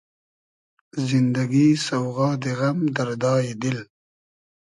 زیندئگی سۆغادی غئم , دئردای دیل